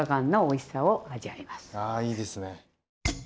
あいいですね。